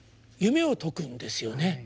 夢を解くんですよね。